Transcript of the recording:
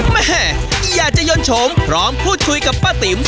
แม่อยากจะยนโฉมพร้อมพูดคุยกับป้าติ๋ม